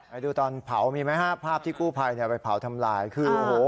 ไปดูตอนเผามีไหมฮะภาพที่กู้ภัยเนี่ยไปเผาทำลายคือโอ้โห